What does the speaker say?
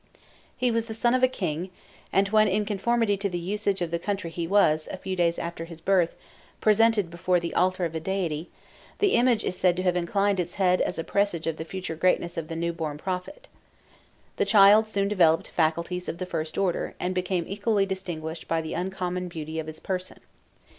He was the son of a king; and when in conformity to the usage of the country he was, a few days after his birth, presented before the altar of a deity, the image is said to have inclined its head as a presage of the future greatness of the new born prophet. The child soon developed faculties of the first order, and became equally distinguished by the uncommon beauty of his person.